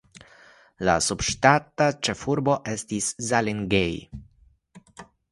La subŝtata ĉefurbo estas Zalingei.